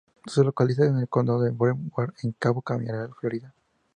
Se localiza en el condado de Brevard, en Cabo Cañaveral, Florida.